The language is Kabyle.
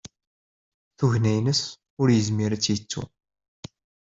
Tugna-ines, ur yezmir ad tt-yettu.